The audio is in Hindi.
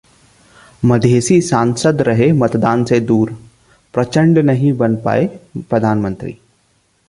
मधेसी सांसद रहे मतदान से दूर, प्रचंड नहीं बन पाए प्रधानमंत्री